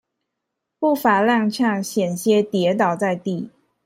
步伐踉蹌險些跌倒在地